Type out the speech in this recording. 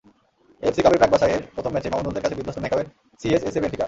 AFC কাপের প্রাক-বাছাইয়ের প্রথম ম্যাচেই মামুনুলদের কাছে বিধ্বস্ত ম্যাকাওয়ের সিএসএসএ বেনফিকা।